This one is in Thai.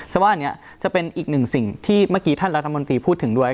ว่าอันนี้จะเป็นอีกหนึ่งสิ่งที่เมื่อกี้ท่านรัฐมนตรีพูดถึงด้วย